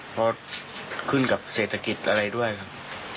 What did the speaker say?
เพราะขึ้นกับเศรษฐกิจอะไรด้วยครับ